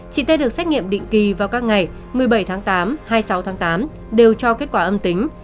chị t được làm xét nghiệm định kỳ vào các ngày một mươi bảy tháng tám hay sáu tháng tám đều cho kết quả âm tính